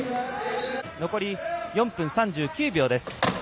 残り４分３９秒です。